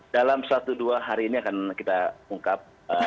dalam satu dua hari ini akan kita ungkap